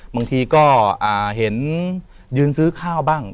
บางทีก็เห็นยืนซื้อข้าวบ้าง